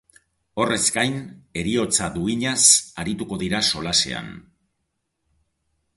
Horrez gain, heriotza duinaz arituko dira solasean.